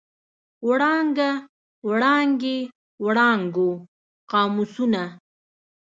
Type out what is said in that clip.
وړانګه، وړانګې، وړانګو، قاموسونه.